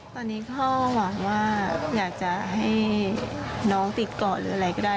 ตอนนี้พ่อหวังว่าอยากจะให้น้องติดก่อนหรืออะไรก็ได้